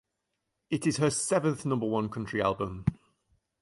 It is her seventh number one country album.